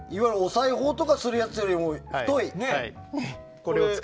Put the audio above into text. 裁縫とかするやつより太い。